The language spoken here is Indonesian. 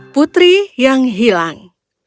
putri yang hilang